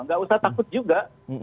nggak usah takut juga